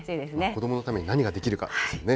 子どものために何ができるかですよね。